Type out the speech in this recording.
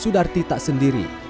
sudarti tak sendiri